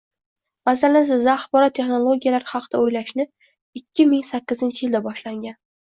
Masalan, sizda axborot texnologiyalari haqida oʻylashni ikki ming sakkizinchi yilda boshlangan